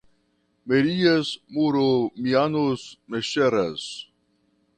Merias, muromianos, meshcheras